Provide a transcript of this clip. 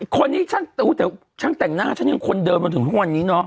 คนนี้ช่างแต่ช่างแต่งหน้าฉันยังคนเดินมาถึงทุกวันนี้เนาะ